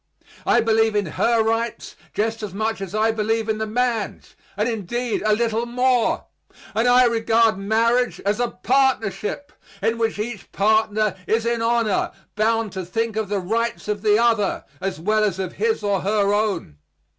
I believe in her rights just as much as I believe in the man's, and indeed a little more; and I regard marriage as a partnership, in which each partner is in honor bound to think of the rights of the other as well as of his or her own.